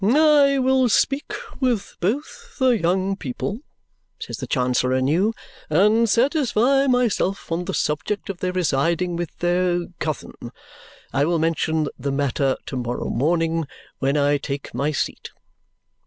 "I will speak with both the young people," says the Chancellor anew, "and satisfy myself on the subject of their residing with their cousin. I will mention the matter to morrow morning when I take my seat."